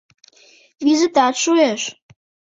Визытат шуэш.